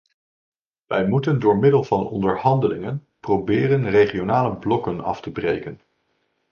Wij moeten door middel van onderhandelingen proberen regionale blokken af te breken.